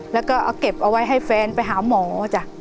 แล้วก็เอาเก็บเอาไว้ให้แฟนไปหาหมอจ้ะ